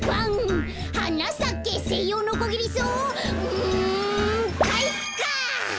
うんかいか！